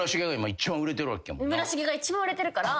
村重が一番売れてるから。